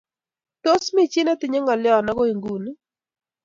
tos mi chi netinyei ng'olion akoi nguni?